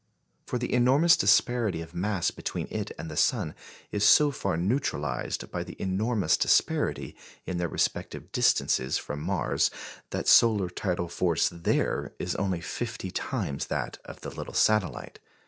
For the enormous disparity of mass between it and the sun is so far neutralised by the enormous disparity in their respective distances from Mars that solar tidal force there is only fifty times that of the little satellite.